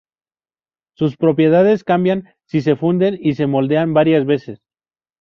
Sus propiedades cambian si se funden y se moldean varias veces.